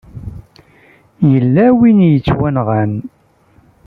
Yella win i yettwanɣan.